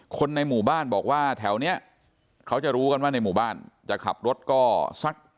คนในหมู่บ้านบอกว่าแถวนี้เขาจะรู้กันว่าในหมู่บ้านจะขับรถก็สัก